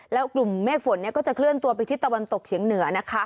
แล้วกลุ่มเมฆฝนก็จะเคลื่อนตัวไปที่ตะวันตกเฉียงเหนือนะคะ